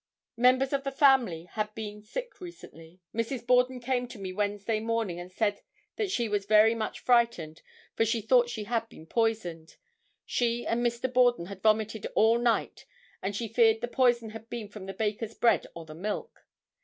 "Members of the family had been sick recently. Mrs. Borden came to me Wednesday morning and said that she was very much frightened, for she thought she had been poisoned. She and Mr. Borden had vomited all night and she feared the poison had been from the baker's bread or the milk.